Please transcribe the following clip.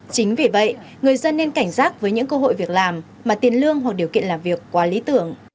chính vì vậy người dân nên cảnh giác với những cơ hội việc làm mà tiền lương hoặc điều kiện làm việc quá lý tưởng